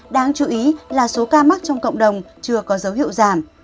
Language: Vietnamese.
đáng chú ý là số ca mắc trong cộng đồng chưa có dấu hiệu giảm